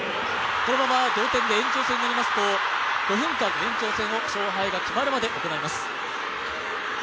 このまま同点で延長戦になりますと５分間の延長戦を、勝敗が決まるまで行います。